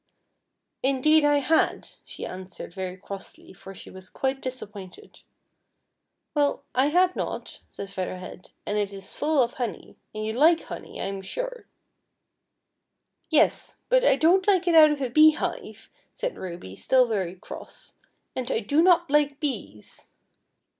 " Indeed I had," she answered very crossly, for she was quite disappointed. "Well, I had not," said Feather Head, "and it is full ©f hone\', and \ ou like honey, I am sure." " Yes, but I don't like it out of a beehive," said Ruby, still very cross; " and I do not like bees.